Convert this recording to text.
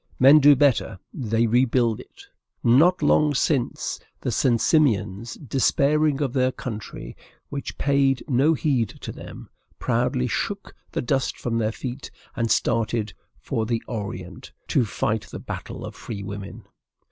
Men do better; they rebuild it. Not long since, the St. Simonians, despairing of their country which paid no heed to them, proudly shook the dust from their feet, and started for the Orient to fight the battle of free woman.